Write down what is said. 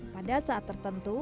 pada saat tertentu